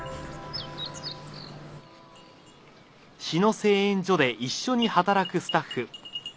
志野製塩所で一緒に働くスタッフ。